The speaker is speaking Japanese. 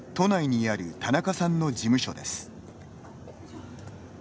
都内にある田中さんの事務所です。